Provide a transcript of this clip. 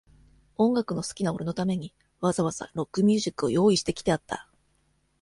音楽の好きな俺のために、わざわざ、ロックミュージックを用意してきてあった。